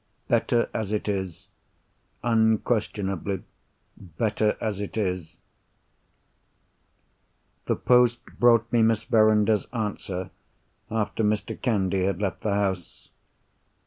Better as it is. Unquestionably, better as it is. The post brought me Miss Verinder's answer, after Mr. Candy had left the house.